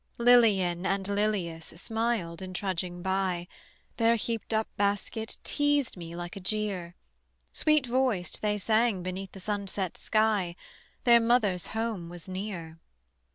Lilian and Lilias smiled in trudging by, Their heaped up basket teased me like a jeer; Sweet voiced they sang beneath the sunset sky, Their mother's home was near.